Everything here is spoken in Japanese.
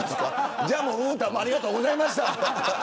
じゃあ、うーたんもありがとうございました。